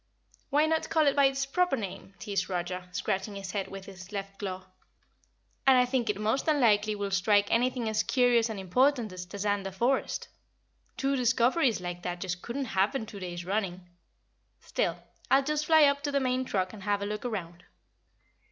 "Why not call it by its proper name?" teased Roger, scratching his head with his left claw. "And I think it most unlikely we'll strike anything as curious and important as Tazander Forest. Two discoveries like that just couldn't happen two days running. Still, I'll just fly up to the main truck and have a look around."